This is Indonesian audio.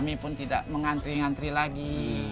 jadi kami pun tidak mengantri antri lagi